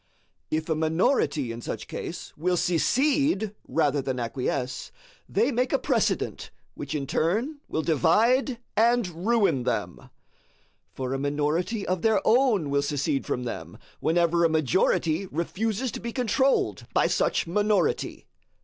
If a minority in such case will secede rather than acquiesce, they make a precedent which in turn will divide and ruin them; for a minority of their own will secede from them whenever a majority refuses to be controlled by such minority.